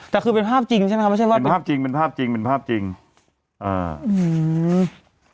แต่คือเป็นภาพจริงใช่ไหมคะไม่ใช่ว่าเป็นภาพจริงเป็นภาพจริงเป็นภาพจริงอ่าอืม